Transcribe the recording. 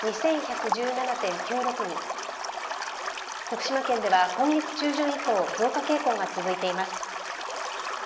徳島県では今月中旬以降増加傾向が続いています。